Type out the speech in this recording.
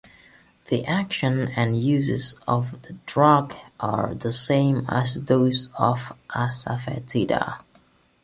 The action and uses of the drug are the same as those of asafetida.